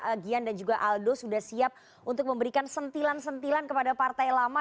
pak gian dan juga aldo sudah siap untuk memberikan sentilan sentilan kepada partai lama